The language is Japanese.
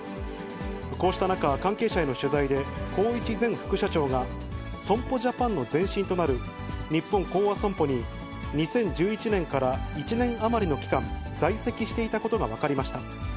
こうした中、関係者への取材で、宏一前副社長が、損保ジャパンの前身となる日本興亜損保に、２０１１年から１年余りの期間、在籍していたことが分かりました。